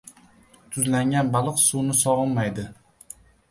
— Tuzlangan baliq suvni sog‘inmaydi.